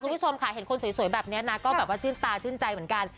คุณผู้ชมค่ะเห็นคนสวยแบบนี้นะก็แบบว่าชื่นตาชื่นใจเหมือนกัน